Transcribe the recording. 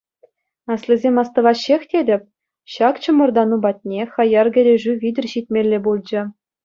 Аслисем астӑваҫҫех тетӗп: ҫак чӑмӑртану патне хаяр кӗрешӳ витӗр ҫитмелле пулчӗ.